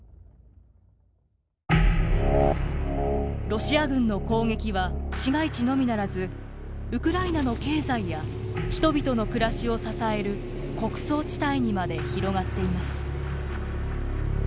ロシア軍の攻撃は市街地のみならずウクライナの経済や人々の暮らしを支える穀倉地帯にまで広がっています。